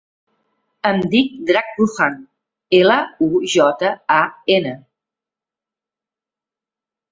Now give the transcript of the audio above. Em dic Drac Lujan: ela, u, jota, a, ena.